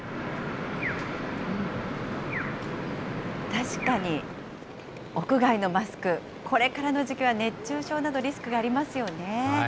確かに屋外のマスク、これからの時期は熱中症など、リスクがありますよね。